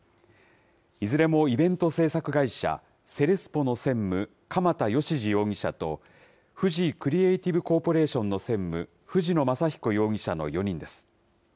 いずれもイベント制作会社、セレスポの専務、鎌田義次容疑者と、フジクリエイティブコーポレーションの専務、藤野昌彦容疑者の４人です。